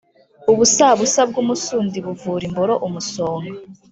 ubusabusa bw’umusundi buvura imboro umusonga.